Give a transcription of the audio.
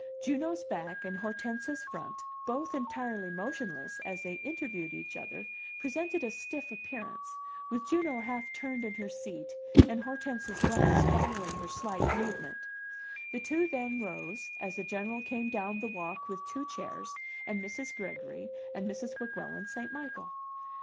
Juno's back and Hortense's front, both entirely motionless as they interviewed each other' presented a stiff appearance, with Juno half turned in her seat and Hortense's glance following her slight movement; the two then rose, as the General came down the walk with two chairs and Mrs. Gregory and Mrs. Weguelin St. Michael.